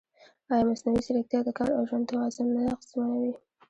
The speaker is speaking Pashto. ایا مصنوعي ځیرکتیا د کار او ژوند توازن نه اغېزمنوي؟